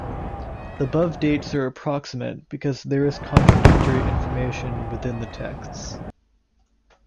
The above dates are approximate because there is contradictory information within the texts.